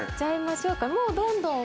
もうどんどん。